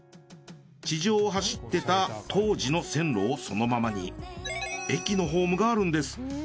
地上を走っていた当時の線路をそのままに駅のホームがあるんです。